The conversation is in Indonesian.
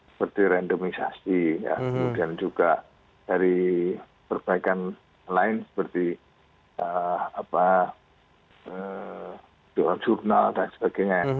seperti randomisasi kemudian juga dari perbaikan lain seperti dewan jurnal dan sebagainya